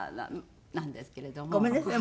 ごめんなさい